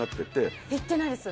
行ってないです。